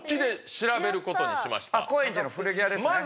高円寺の古着屋ですね。